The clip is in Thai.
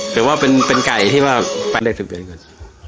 ถือว่าเป็นเป็นไก่ที่ว่าประเทศมีปีก่อน